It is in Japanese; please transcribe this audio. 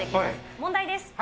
問題です。